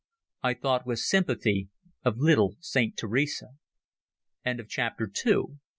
I thought with sympathy of little Saint Teresa. CHAPTER III.